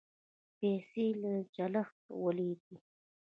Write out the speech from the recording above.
پیسې له چلښته ولوېدې.